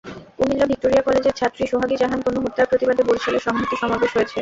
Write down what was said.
Comilla Victoria কলেজের ছাত্রী সোহাগী জাহান তনু হত্যার প্রতিবাদে বরিশালে সংহতি সমাবেশ হয়েছে।